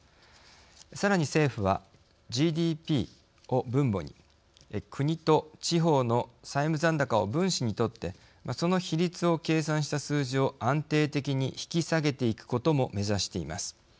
さらに政府はＧＤＰを分母に国と地方の債務残高を分子にとってその比率を計算した数字を安定的に引き下げていくことも目指しています。